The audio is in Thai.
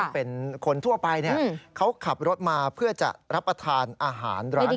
เป็นคนทั่วไปเขาขับรถมาเพื่อจะรับประทานอาหารร้าน